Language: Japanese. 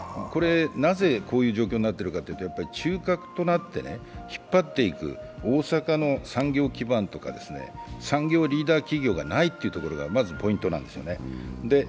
なぜこういう状況になってるかというと、中核となって引っ張っていく大阪の産業基盤とか産業リーダー企業がないというところがまずポイントなんですね。